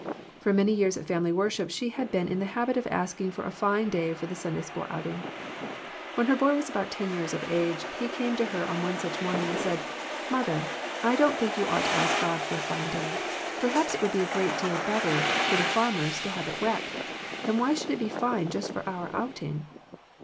For many years at family worship she had been in the habit of asking for a fine day for the Sunday school outing. When her boy was about ten years of age he came to her on one such morning and said, " Mother, I don't think you ought to ask God for a fine day. Perhaps it would be a great deal bet ter for the farmers to have it wet, and why should it be fine just for our outing